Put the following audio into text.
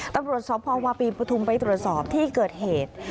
ตรงประโยชน์สอบพวพิมพ์ประทุกข์ไปตรวจสอบที่เกิดเหตุ